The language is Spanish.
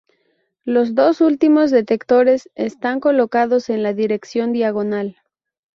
Los dos últimos detectores están colocados en la dirección diagonal.